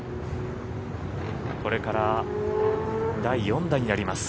これから第４打になります。